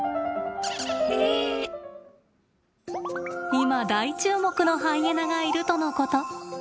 今、大注目のハイエナがいるとのこと。